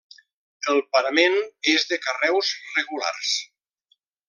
El parament és de carreus regulars.